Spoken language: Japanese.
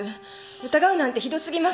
疑うなんてひど過ぎます。